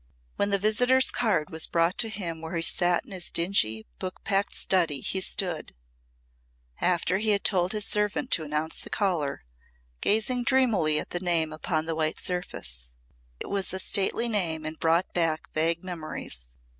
When the visitor's card was brought to him where he sat in his dingy, book packed study, he stood after he had told his servant to announce the caller gazing dreamily at the name upon the white surface. It was a stately name and brought back vague memories.